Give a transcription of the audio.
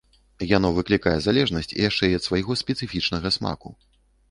Яно выклікае залежнасць яшчэ і ад свайго спецыфічнага смаку.